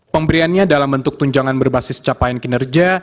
pemberiannya dalam bentuk tunjangan berbasis capaian kinerja